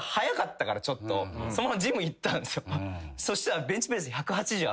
そしたら。